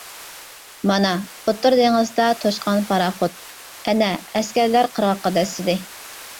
مانا، ئوتتۇرا دېڭىزدا توشقان پاراخوت. ئەنە، ئەسكەرلەر قىرغاققا دەسسىدى.